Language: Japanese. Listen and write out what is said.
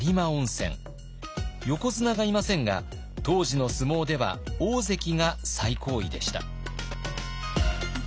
横綱がいませんが当時の相撲では大関が最高位でした。